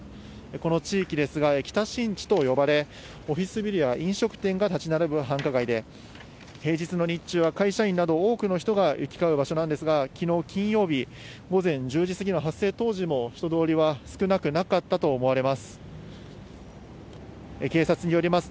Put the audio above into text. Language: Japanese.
この地域ですが、北新地と呼ばれ、オフィスビルや飲食店が立ち並ぶ繁華街で、平日の日中は会社員など、多くの人が行き交う場所なんですが、きのう金曜日午前１０時過ぎの発生当時も人通りは少なくなかったと思われます。